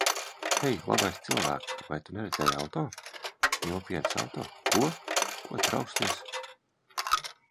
Hei, labais cilvēk! Vai tu neredzēji auto? Kņopienes auto. Ko? Ko tu rausties?